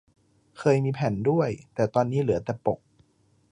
เคยมีแผ่นด้วย แต่ตอนนี้เหลือแต่ปก